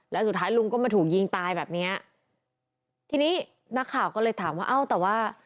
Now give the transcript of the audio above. แล้วสุดท้ายลุงก็มาถูกยิงตายแบบเนี้ยทีนี้นักข่าวก็เลยถามว่าเอ้าแต่ว่า